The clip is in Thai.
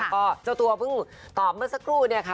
ก็เจ้าตัวเพิ่งตอบเมื่อสักครู่เนี่ยค่ะ